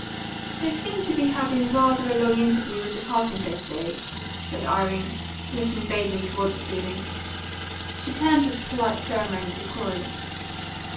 "They seem to be having rather a long interview with the carpenter to day," said Irene, looking vaguely toward the ceiling. She turned with polite ceremony to Corey.